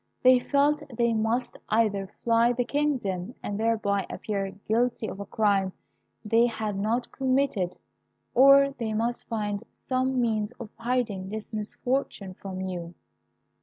They felt they must either fly the kingdom, and thereby appear guilty of a crime they had not committed, or they must find some means of hiding this misfortune from you.